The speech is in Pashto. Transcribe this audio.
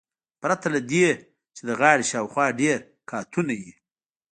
پرته له دې چې د غاړې شاوخوا ډیر قاتونه وي